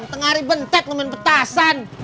tengah hari bentek lo main petasan